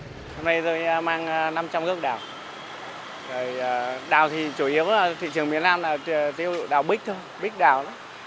hôm nay tôi mang năm trăm linh gốc đào đào thì chủ yếu là thị trường miền nam là đào bích thôi bích đào